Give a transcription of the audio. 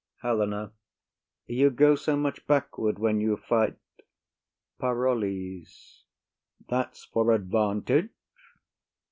HELENA. You go so much backward when you fight. PAROLLES. That's for advantage.